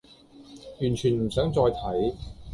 完全唔想再睇